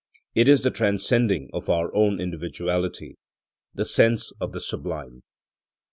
It is the transcending of our own individuality, the sense of the sublime.